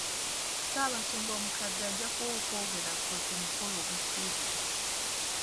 Ssaabasumba omukadde ajja kuwa okwogera kwe ku mukolo ogusiibula.